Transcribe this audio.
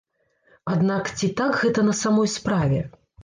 Аднак ці так гэта на самой справе?